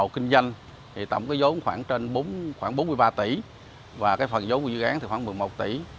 kinh doanh thì tổng cái giống khoảng trên khoảng bốn mươi ba tỷ và cái phần giống của dự án thì khoảng một mươi một tỷ